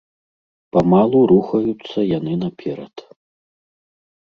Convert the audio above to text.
Памалу рухаюцца яны наперад.